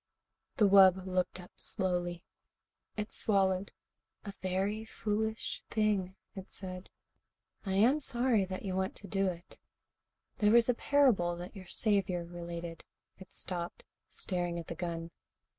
The wub looked up slowly. It swallowed. "A very foolish thing," it said. "I am sorry that you want to do it. There was a parable that your Saviour related " It stopped, staring at the gun.